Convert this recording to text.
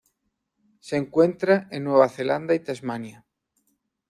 Se encuentra en Nueva Zelanda y Tasmania.